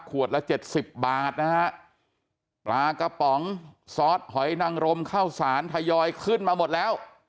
ละเจ็ดสิบบาทนะฮะปลากระป๋องซอสหอยนังรมข้าวสารทยอยขึ้นมาหมดแล้ว